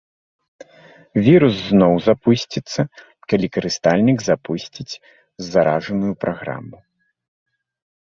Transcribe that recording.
Вірус зноў запусціцца, калі карыстальнік запусціць заражаную праграму.